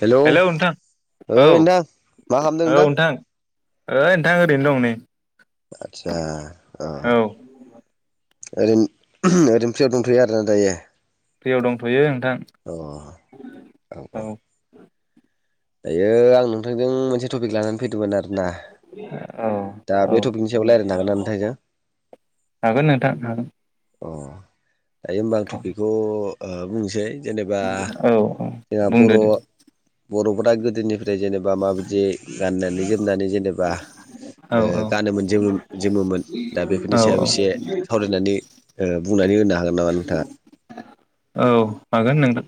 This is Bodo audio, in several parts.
हेलौ औ ओइ नोंथां मा खालामदों नोंथां ओइ नोंथां ओरैनो दं नै आदसा औ अ [unintelligible] फ्रियाव दंथ'यो ओ [inaudible] दायो आं नोंथांजों मोनसे टपिक लाना फैदोमोन आरोना औ दा औ बे टपिकनि सायाव रायलायनो हागोन ना नोंथां जों हागोन नोंथां हागोन अ दायो होमबा आं थपिकखौ [inaudible] औ औ बुंदो दे बर' फोरा गोदोनिफ्राय जेनेबा माबायदि गाननानै जोमनानै जेनेबा औ ओ गानोमोन जोमो-जोमोमोन दा बेफोरनि औ सायाव एसे सावरायनानै बुंनानै होनो हागोन नामा नोंथाङा? औ हागोन नोंथा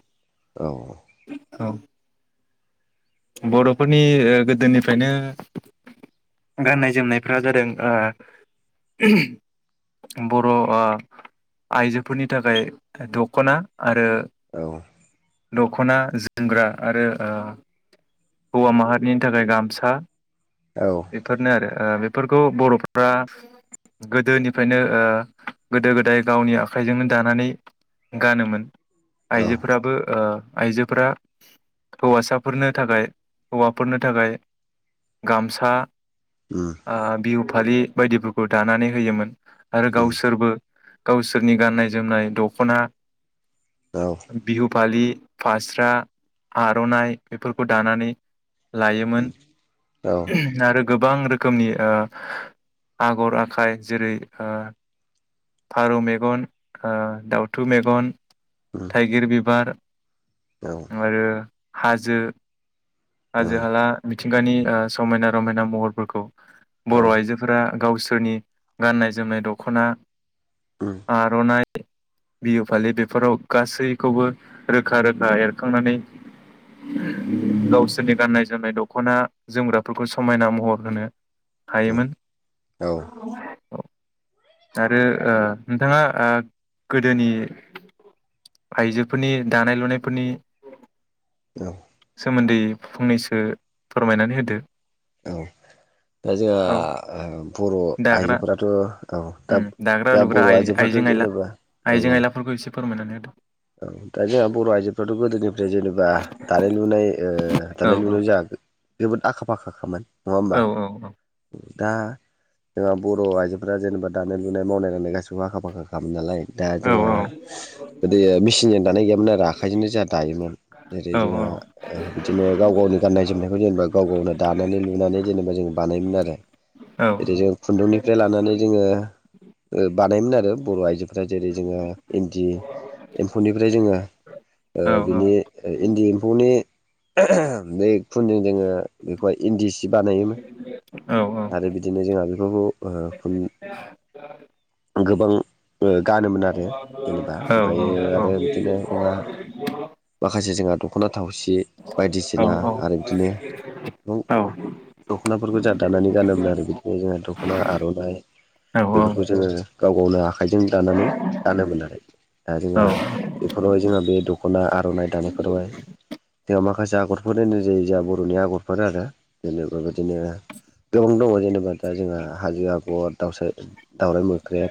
औ औ बर'फोरनि ओ गोदोनिफ्रायनो गाननाय जोमनायफ्रा जादों बर' ओ आइजोफोरनि थाखाय दख'ना आरो औ दख'ना जोमग्रा आरो हौवा माहारिनि थाखाय गामसा औ बेफोरनो आरो बेफोरखौ बर'फ्रा गोदोनिफ्रायनो गोदो गोदाय गावनि आखाइजोंनो दानानै गानोमोन। औ आइजोफोराबो आइजोफोरा हौवासाफोरनि थाखाय हौवाफोरनो थाखाय गामसा उम ओ बिउ फालि बायदिफोरखौ दानानै होयोमोन। आरो उम गावसोरबो गावसोरनि गाननाय जोमनाय दख'ना औ बि फास्रा आर'नाइ बेफोरखौ दानानै लायोमोन औ आरो गोबां रोखोमनि आगर आखाइ जेरै फारौ मेगन दाउथु मेगन उम थाइगिर बि बार औ उम आरो हाजो हाजो औ हाला मिथिंगानि समायना रमायना महरफोरखौ बर' उम आइजोफोरा गावसोर सोरनि गाननाय जोमनाय दख'ना आर'नाय बिहु फालि बेफोराव गासैखौबो रोखा रोखा एरखांनानै गावसोरनि गाननाय जोमनाय दख'ना जोमग्राफोरखौ समायना महर होनो उम हायोमोन औ। आरो ओ नोंथाङा ओ गोदोनि आइजोफोरनि दानाय लुनायफोरनि औ [inaudible] सोमोन्दै फंनैसो फोरमायनानै होदो औ दा जोंहा औ ओ बर' दाग्रा आइजोफोराथ' औ दा उम दाग्रा जा लुग्रा बर' आइजोफ्राथ' आइजें आयला जेनेबा औ आइजें आयलाफोरखौ एसे फोरमायनानै होदो औ दा जोंहा बर' आइजोफ्राथ' गोदोनिफ्राय जेनेबा दानाय लुनाय ओ औ दानाय औ लुनाय जायाखै जोबोद आखा फाखाखामोन नङा होमबा? औ दा जोंहा बर' आइजोफोरा जेनेबा दानाय लुनाय मावनाय दांनाय गासिबो आखा फाखा खामोन नालाय दा औ जोंहा दे मेचिनजों दानाय गैयामोन आरो आखाइजोंनो जोंहा दायोमोन जेरै जोंहा ओ बिदिनो गाव गावनि गाननाय जोमनायखौ जेनेबा गाव गावनो दानानै लुनानै जेनेबा जों बानायोमोन आरो [unintelligible] जों खुन्दुंनि जे लानानै जोङो ओ बानायोमोन आरो बर' आइजोफ्रा जेरै जोङो इन्दि एम्फौनिफ्राय जोङो ओ बिनि ओ इन्दि एम्फौनि ओ ओ बे खुनजों जोङो बेखौहाय इन्दि सि सि बानायोमोन आरो बिदिनो जोंहा बेफोरखौ ओ उम गोबां उम गानोमोन आरो जेनेबा फायो आरो बिदिनो जोंहा माखासे जोंहा दखना थावसि बायदिसिना आरो बिदिनो गोबां दख'नाफोरखौ जाहा दानानै गानोमोन आरो बिदिनो जोंहा दख'ना आर'नाइ बेफोरखौ जोङो गाव गावनो आखाइजों दानानै दानोमोन आरो दा जोंहा बेफोरावहाय जोंहा बे द खना आर'नाइ दानाय फोरावहाय जोंहा मा माखासे आगरफोर होननाय जायो जोंहा बर'नि आगरफोर आरो जेनेबा बेबायदिनो गोबां दङ जेनेबा दा जोंहा हाजो आगर दाउ दावराइ मोख्रेब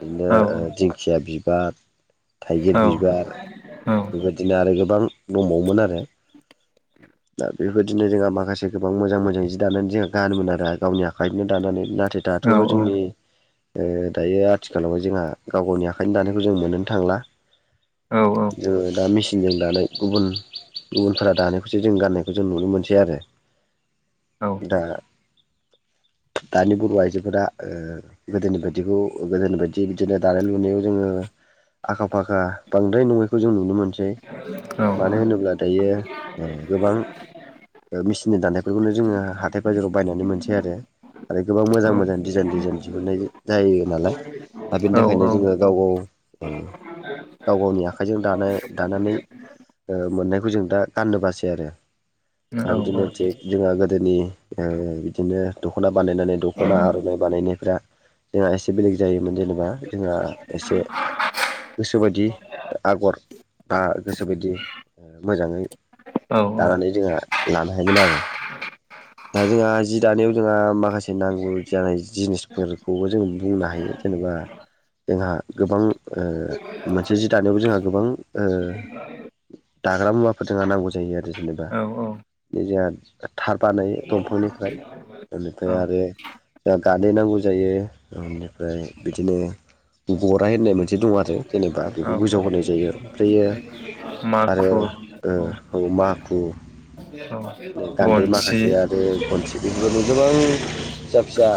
बिदिनो ओ दिंखिया बिब बा थाइगिर बिबार बेबायदिनो आरो गोबां दंबावोमोन आरो दा बेबायदिनो जोंहा माखासे गोबां मोजां मोजां जि दानानै जोंहा गाहानोमोन आरो गावनि आखाइजोंनो दानानै [unintelligible] दाथ' जोंनि ओ दायो आथिखालावह जोंहा गाव गावनि आखाइनि दानायखौ जों मोनो थांला औ दा मेसिन [unintelligible] जों दानाय गुबुन गुबुनफोरा दानायखौसो जों गाननायखौ जों नुनो मोनसै आरो औ दा दानि बर' आइजोफोरा ओ गोदोनि बायदिखौ गोदोनि बायदि बिदिनो दानाय लुनायाव जोङो आखा फाखा बांद्राय नङैखौ जों नुनो मोनो बै मानो होनोब्ला दायो ओ गोबां मेसिननि दाननायफोरखौनो जोङो हाथाय बाजाराव बायनानै मोनसै आरो। आरो गोबां मोजां औ मोजां डिजाइन डिजाइन दिहुननाय जायो नालाय दा बेनि थाखायनो जोङो गाव गाव ओ गाव गावनि आख खायजों दानाय दानानै ओ मोननायखौ जों दा गाननो बासै आरो। दा बिदिनो थिग जोंहा गोदोनि ओ बिदिनो दख'ना बानायनानै दख'ना आर'नाइ बानायनायफ्रा जोंहा एसे बेलेग जायोमोन जेने बा जोंहा एसे गोसोबायदि आगर बा गोसोबायदि मोजाङै दानानै जोंहा लानो हायोमोन आरो। दा जोंहा जि दानायाव जोंहा माखासे नांगौ जानाय जिनिसफोरखौबो जों बुंनो हायो जेनेबा जोंहा गोबां ओ मोनसे जि दानायावबो जोंहा गोबां ओ दाग्रा मुवाफोर जोंहा नांगौ जायो आरो। जेनेबा जोंहा थार बानायो दंफांनिफ्राय बेनिफ्राय आरो ओ गा नै नांगौ जायो बिदिनो गराय बिदि दं आरो जेनेबा बेखौ गोजौआव होनाय जायो ओमफ्रायो आरो माखु औ ओ माखु बिदिनो गान्दै गनसि माखासे आरो गनसि बेदिनो गोबां फिसा फिसा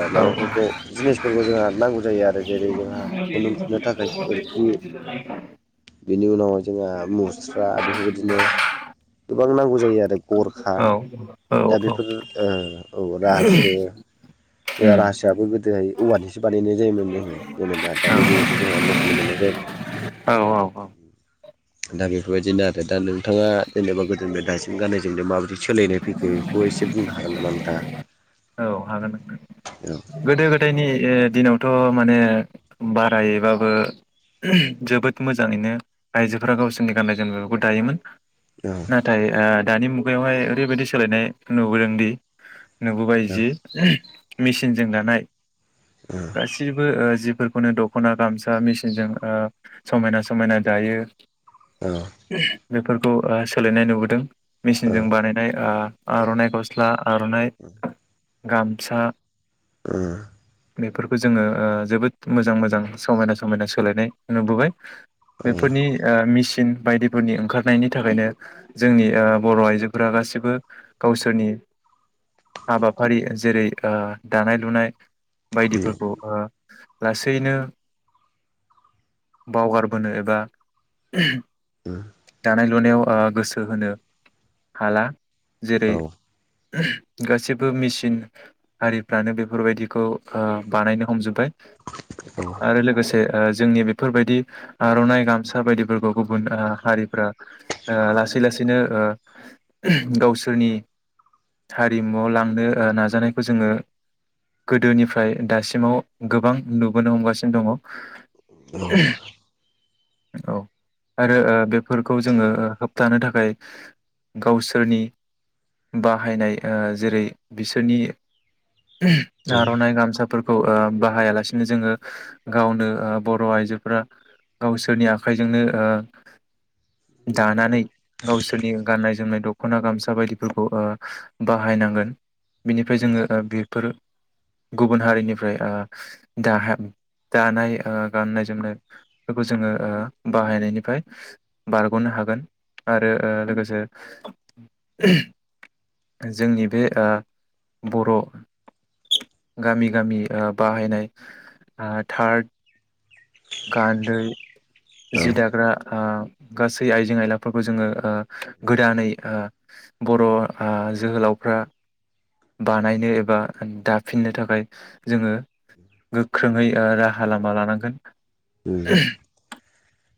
औ औ माबाफोरखौ जिनिसफोरखौ जोंहा नांगौ जायो आरो। जेरै जोंहा आ [unintelligible] बेनि उनावहाय जोंहा मुस्रा बेफोरबायदिनो गोबां नांगौ जायो आरो गरखा औ दा बेफोर ओ औ रासो जोङा रासोयाबो गोदोहाय औवानिसो बानायनाय जायोमोन जोङो जेनेबा दानि जुगावथ' जोंहा लहानि मोननाय जाबाय। दा बेफोरबायदिनो आरो दा नोंथाङा जेनेबा गोदोनिफ्राय दासिम गाननाय जोमनाया माबोरै सोलायनाय फैखो बेखौ एसे बुंनो हागोन नामा नोंथांआ? औ हागोन। गोदो गोदायनि ओ दिनाव थ' माने बारायैबाबो जोबोद मोजाङैनो आइजोफोरा गावसोरनि गाननाय जोमनायफोरखौ दायोमोन। औ नाथाय ओ दानि मुगायावहाय ओरैबायदि सोलायनाय नुबोदोंदि नुबोबाय औ जि [unintelligible] मेचिनजों दानाय औ गासिबो ओ जिफोरखौनो दख'ना गामसा मेसिनजों ओ समायना समायना दायो। औ। बेफोरखौ ओ सोलायनाय नुबोदों। ओ औ मेसिनजों उम बानायनाय ओ आर'नाय गस्ला, आर'नाय गामसा [unintelligible] बेफोरखौ जोङो ओ जोबोद मोजां मोजां समायना समायना सोलायनाय नुबोबाय। औ बेफोरनि ओ मि सिन बायदिफोरनि ओंखारनायनि थाखायनो जोंनि ओ बर' आइजोफोरा गासिबो गावसोरनि हाबाफारि जेरै ओ दानाय लुनाय बायदिफोरखौ ओ लासैनो बावगारबोनो एबा [unintelligible] उम। दानाय लुनायाव ओ गोसो होनो हाला जेरै [unintelligible] गासिबो मेसिन आरिफ्रानो बेफोरबायदिखौ ओ बानायनो हमजोबबाय उम औ आरो लोगोसे ओ जोंनि बेफोरबायदि आर'नाइ गामसा बायदिफोरखौय ओ गुबुन हारिफ्रा लासै लासैनो ओ गावसोरनि हारिमुआव लांनो ओ नाजानायखौ जोङो गोदोनिफ्राय दासिमाव गोबां नुबोनो हमगासिनो दङ [inaudible] औ आरो ओ बेफोरखौ जोङो होबथानो थाखाय गावसोरनि बाहायनाय ओ जेरै बिसोरनि [unintelligible] आर'नाइ गामसाफो खौ ओ बाहायालासिनो जोङो गावनो ओ बर' आइजोफोरा गावसोरनि आखाइजोंनो ओ दानानै गावसोरनि गाननाय-जोमनाय खना गामसा बायदिफोरखौ ओ बाहायनांगोन बिनिफ्राय जोङो ओ बेफोर गुबुन हारिनिफ्राय ओ दा दानाय ओ गाननाय जोमनायफोरखौ जोङो ओ बाहायनायनिफ्राय बारग'नो हागोन आरो ओ लोगोसे [inaudible] जोंनि बे ओ बर' गामि गामि ओ बाहायनाय थार्ड गानदै जि दाग्रा ओ गासै आइजें आयलाफोरखौ जोङो ओ गोदानै ओ बर' ओ जोहोलावफ्रा बानायनो एबा दाफिननो थाखाय जोङो गोख्रोङै ओ राहा लामा लानांगोन ओ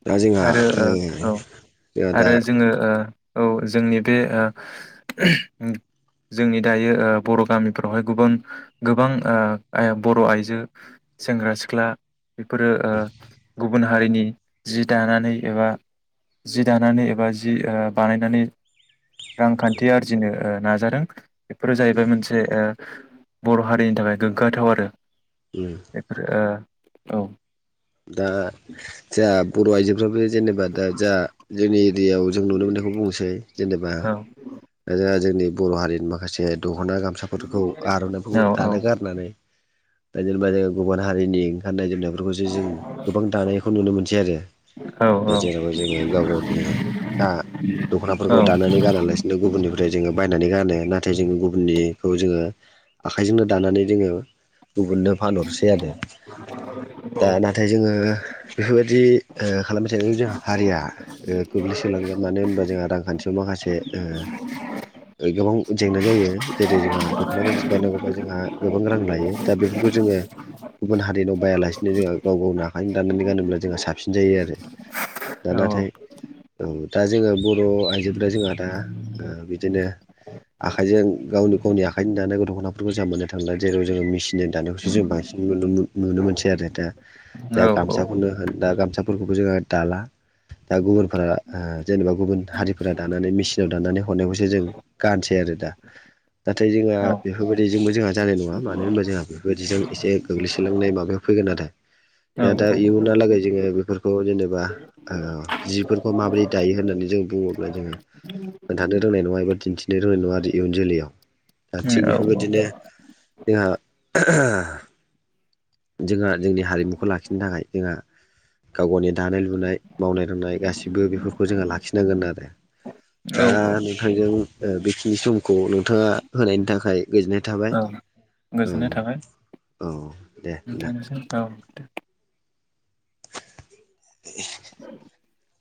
दा जोंहा आरो ओ औ जोंहा दा आरो जोङो ओ औ जोंनि बे ओ जोंनि दायो ओ बर' गामिफ्रावहाय गोबां गोबां ओ बर' आइजो सेंग्रा सिख्ला बेफोरो ओ गुबुन हारिनि जि दानानै एबा जि दानानै एबा जि ओ बानायनानै रांखान्थि आरजिनो ओ नाजादों बेफोरो जाहैबाय मोनसे ओ बर' हारिनि थाखाय गोग्गाथाव आरो उम बेफोरो ओ औ दा जा बर' आइजोफोराबो जेनेबा दा जा जोंनि एरियायाव जों नुनो मोननायखौ बुंनोसै जेनेबा औ जोंहा जोंनि बर हारिनि माखासे दख'ना गामसाफोरखौ आर'नाइफोरखौ औ दानो गारनानै दा जेनेबा जोङो गुबुन हारिनि ओंखारनाय जेनेबा बेफोरखौसो जों गोबां दानायखौ नुनो मोनसै आरो दा औ औ जेरावहाय जोङो गाव गावनि दख'नाफोरखौ दानानै गानालासिनो गुबुननिफ्राय जोङो बायनानै गानो नाथाय जोङो गुबुननिखौ जोङो आखाइजोंनो दानानै जोङो गुबुननो फानहरसै आरो दाना नाथाय जोङो बेफोरबायदि खालामबाय थ जोंहा हारिया गोग्लैसोलांगोन मानो होनोबा जोंहा रांखान्थियाव माखासे ओ गोबां जेंना जायो जेरै जोंहा दख'ना गांसे बायनांगौबा जोंहा गोबां रां लायो दा बेफोरखौ जोङो गुबुन हारिनाव बायालासिनो जोंहा गावनो आखायदों दाननानै गानोब्ला जोंहा साबसिन जायो आरो। औ ओं दा जोङो बर' आइजोफ्रा जोंहा दा ओ बिदिनो आखाइजों गावनो गावनि आखाइजों दानाय गद दख'नाफोरखौ जा मोननो थांला जेराव जोङो मेसिनजों दानायखौसो जों बांसिन नुनोमुन नुनो मोनसै आरो दा। दा गामसाखौनो होन दा गामसाफोरखौबो जोंहा दाला। दा गुबुनफोरा ओ जेनेबा गुबुन हारिफोरा दानानै मेसिनाव दानानै हरनायखौसो जों गानसै आरो दा। नाथाय जोंहा बेफोरबायदि जोंबो जोंहा जानाय नङा मानो होनबा जोंहा बेफोरदिजों एसे गोग्लैसोलांनाय माबायाव फैगोन आरो। दा दा इयुनालागै जोङो फोरखौ जेनेबा ओ जिफोरखौ माबोरै दायो होननानै जों बुङोब्ला जोङो खोन्थानो रोंनाय नङा एबा दिन्थिनो रोंनाय नङा आरो इयुन जोलैयाव ओ दा थिग औ बेफोरबायदिनो जोंहा जोंहा जोंनि हारिमुखौ लाखिनो थाखाय जोंहा गाव गावनि दानाय लुनाय, मावनाय दांनाय गासिबो बेफोरखौ जोंहा लाखिनांगोन आरो औ दा नोंथांजों ओ बेखिनि सुम खौ नोंथाङा होनायनि थाखाय गोजोननाय थाबाय औ औ औ औ नोंथां निसिम औ नोंथां [inaudible]